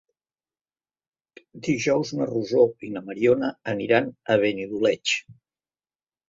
Dijous na Rosó i na Mariona aniran a Benidoleig.